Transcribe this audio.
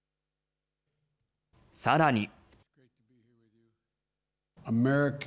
さらに。